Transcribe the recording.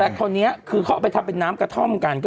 แต่คราวนี้คือเขาเอาไปทำเป็นน้ำกระท่อมกัน